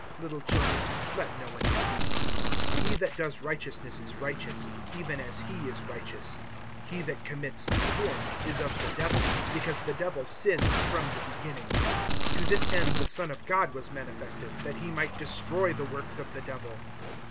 (7)Little children, let no one deceive you. He that does righteousness is righteous, even as he is righteous. (8)He that commits sin is of the Devil; because the Devil sins from the beginning. To this end the Son of God was manifested, that he might destroy the works of the Devil.